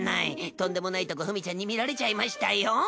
とんでもないとこフミちゃんに見られちゃいましたよ。